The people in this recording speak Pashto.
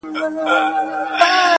یوه شېبه چي دي نقاب سي د خمارو سترګو!!